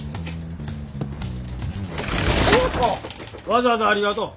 わざわざありがとう。